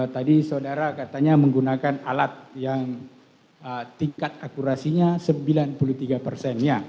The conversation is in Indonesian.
tadi saudara katanya menggunakan alat yang tingkat akurasinya sembilan puluh tiga persen